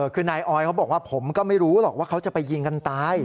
คือนายออยเขาบอกว่าผมก็ไม่รู้หรอกว่าเขาจะไปยิงกันตาย